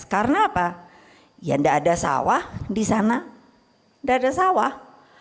karena apa ya enggak ada sawah di sana enggak ada sawah